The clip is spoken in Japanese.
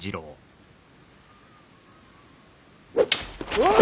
おい！